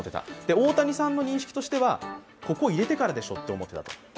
大谷さんの認識としては、ここ入れてからでしょと思っていた。